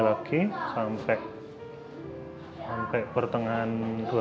lagi sampai hai sampai pertengahan dua ribu lima belas